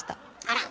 あら。